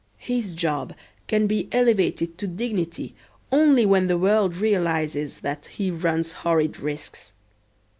His job can be elevated to dignity only when the world realizes that he runs horrid risks.